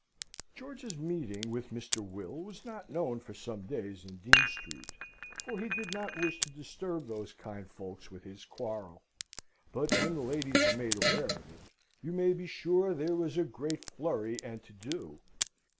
George's meeting with Mr. Will was not known for some days in Dean Street, for he did not wish to disturb those kind folks with his quarrel; but when the ladies were made aware of it, you may be sure there was a great flurry and to do.